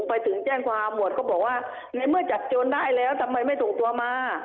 ไปถึงแจ้งความหมวดก็บอกว่าในเมื่อจับโจรได้แล้วทำไมไม่ส่งตัวมา